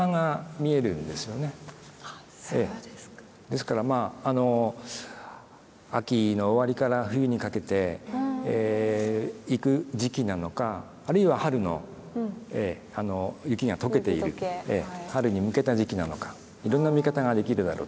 ですからまあ秋の終わりから冬にかけていく時期なのかあるいは春の雪が解けている春に向けた時期なのかいろんな見方ができるだろうと思います。